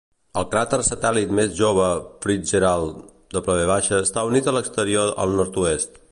El cràter satèl·lit més jove FitzGerald W està unit a l'exterior al nord-oest.